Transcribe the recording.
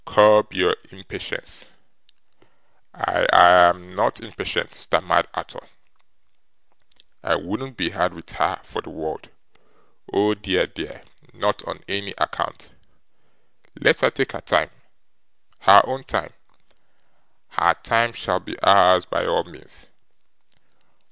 Curb your impatience.' 'I I am not impatient,' stammered Arthur. 'I wouldn't be hard with her for the world. Oh dear, dear, not on any account. Let her take her time her own time. Her time shall be ours by all means.